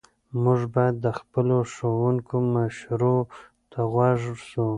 موږ باید د خپلو ښوونکو مشورو ته غوږ سو.